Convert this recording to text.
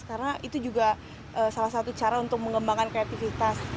karena itu juga salah satu cara untuk mengembangkan kreativitas